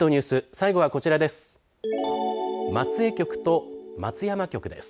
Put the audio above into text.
最後はこちらです。